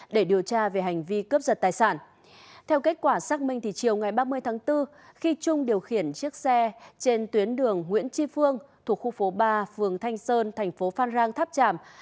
để điều tra về hành vi vi vi phạm quy định về an toàn lao động